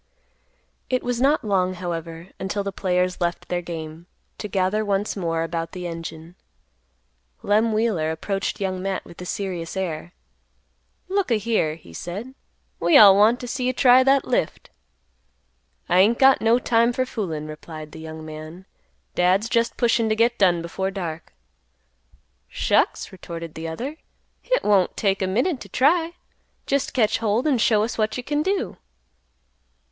It was not long, however, until the players left their game, to gather once more about the engine. Lem Wheeler approached Young Matt with a serious air; "Look a here," he said; "we all want t' see you try that lift." "I ain't got no time for foolin'," replied the young man; "Dad's just pushin' to get done before dark." "Shucks!" retorted the other; "Hit won't take a minute t' try. Jest catch hold an' show us what you can do."